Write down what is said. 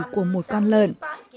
của một con lợn